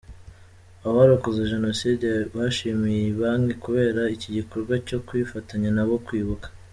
Abarokotse Jenoside bashimiye iyi banki kubera iki gikorwa cyo kwifatanya nabo kwibuka.